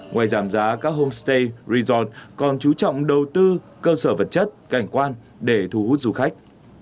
ngoài giảm giá các homestay resort còn chú trọng đầu tư cơ sở vật chất cảnh quan để thu hút du khách